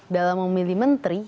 dalam memilih menteri